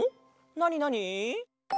なになに？